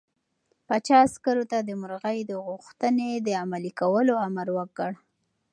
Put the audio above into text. پاچا عسکرو ته د مرغۍ د غوښتنې د عملي کولو امر وکړ.